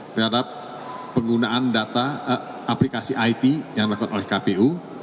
terhadap penggunaan data aplikasi it yang dilakukan oleh kpu